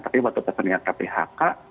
tapi waktu ternyata phk